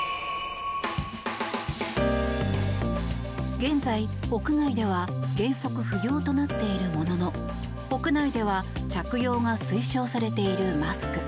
現在、屋外では原則不要となっているものの屋内では着用が推奨されているマスク。